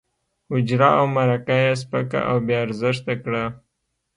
حجره او مرکه یې سپکه او بې ارزښته کړه.